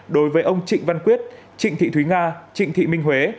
đối với ông trịnh văn quyết trịnh thị thúy nga trịnh thị minh huế